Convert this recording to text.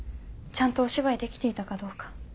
ちゃんとお芝居できていたかどうか。